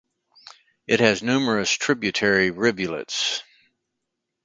It has numerous tributary rivulets.